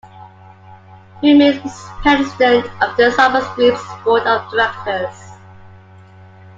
He remains President of the Sauber Group's board of directors.